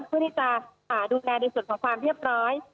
เพื่อที่จะดูแลในส่วนของความเรียบร้อย